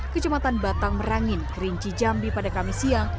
kecematan batang merangin kerinci jambi pada kamis siang